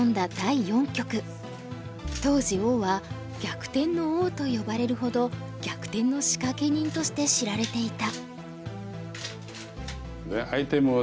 当時王は「逆転の王」と呼ばれるほど逆転の仕掛け人として知られていた。